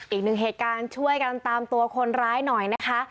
อีกหนึ่งเหตุการณ์ช่วยกันตามตัวคนร้ายหน่อยนะคะ